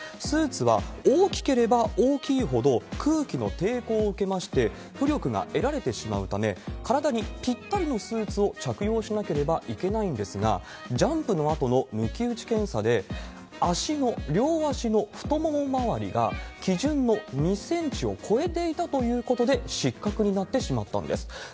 スーツは大きければ大きいほど空気の抵抗を受けまして、浮力が得られてしまうため、体にぴったりのスーツを着用しなければいけないんですが、ジャンプのあとの抜き打ち検査で、足の両足の太もも回りが基準の２センチを超えていたということで失格になってしまったんです。